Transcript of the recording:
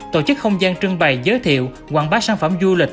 tổ chức không gian trưng bày giới thiệu quảng bá sản phẩm du lịch